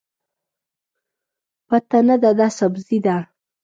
پته نه ده، دا سبزي ده.